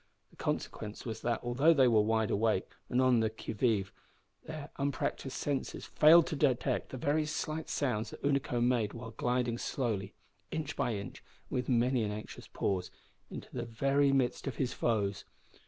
The consequence was that although they were wide awake and on the qui vive, their unpractised senses failed to detect the very slight sounds that Unaco made while gliding slowly inch by inch, and with many an anxious pause into the very midst of his foes.